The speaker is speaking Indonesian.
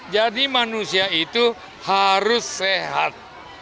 jadi manusia itu harus sehat